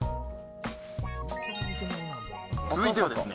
続いてはですね、